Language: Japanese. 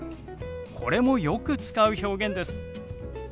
これもよく使う表現です。